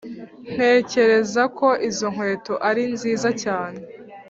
ntekereza ko izo nkweto ari nziza cyane.